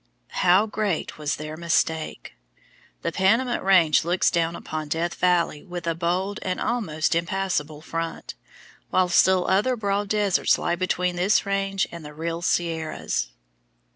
How great was their mistake! The Panamint Range looks down upon Death Valley with a bold and almost impassable front, while still other broad deserts lie between this range and the real Sierras.